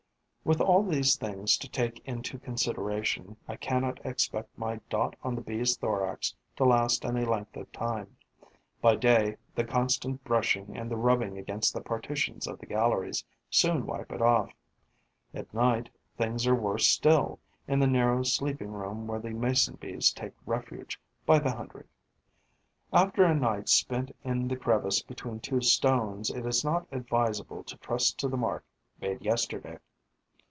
With all these things to take into consideration, I cannot expect my dot on the Bee's thorax to last any length of time. By day, the constant brushing and the rubbing against the partitions of the galleries soon wipe it off; at night, things are worse still, in the narrow sleeping room where the Mason bees take refuge by the hundred. After a night spent in the crevice between two stones, it is not advisable to trust to the mark made yesterday.